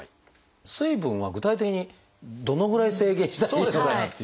水分は具体的にどのぐらい制限したらいいのかなっていう。